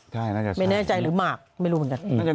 ใช่น่าจะไม่แน่ใจหรือหมากไม่รู้เหมือนกัน